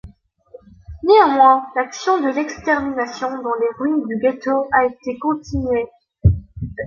Néanmoins, l’action de l’extermination dans le ruines du ghetto a été continuée.